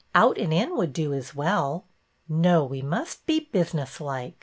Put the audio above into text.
Out and In would do as well." No, we must be business like.